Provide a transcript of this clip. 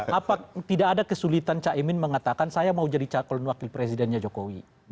padahal tidak ada kesulitan cak emin mengatakan saya mau jadi cakul wakil presidennya jokowi